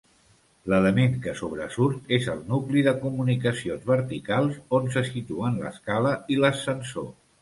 L'element que sobresurt és el nucli de comunicacions verticals on se situen l'escala i l'ascensor.